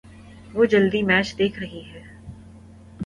وہ جلدی میچ دیکھ رہی ہے۔